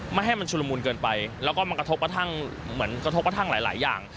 ไม่ให้มันฉุรมูลเกินไปแล้วก็มันกระทบกระทั่งหลายอย่าง